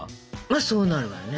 まあそうなるわね。